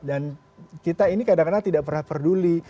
dan kita ini kadang kadang tidak pernah peduli